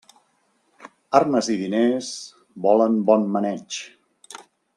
Armes i diners, volen bon maneig.